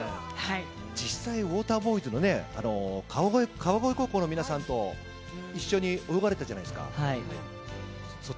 実際、ウォーターボーイズの川越高校の皆さんと一緒に泳がれたじゃないですか。